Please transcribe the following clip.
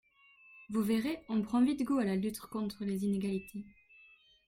Vous verrez, on prend vite goût à la lutte contre les inégalités.